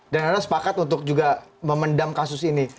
dan anda sepakat untuk juga memendam kasus ini